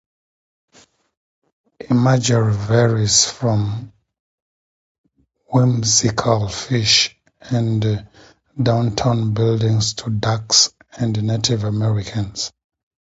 Imagery varies from whimsical fish and downtown buildings to ducks and Native Americans.